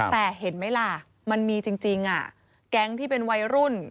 แต่เห็นไหมล่ะมันมีจริงแก๊งที่เป็นวัยรุ่น